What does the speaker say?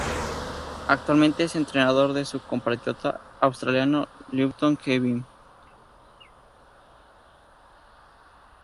Actualmente es entrenador de su compatriota Australiano Lleyton Hewitt.